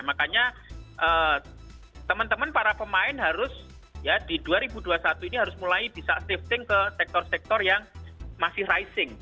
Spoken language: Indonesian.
makanya teman teman para pemain harus ya di dua ribu dua puluh satu ini harus mulai bisa shifting ke sektor sektor yang masih rising